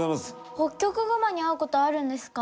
ホッキョクグマに会うことはあるんですか？